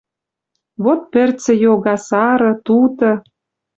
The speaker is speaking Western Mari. Вот пӹрцӹ йога сары, туты.